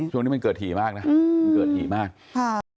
ช่วงนี้มันเกิดถี่มากนะมันเกิดถี่มากค่ะ